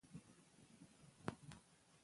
دا به دوام لرلی وي.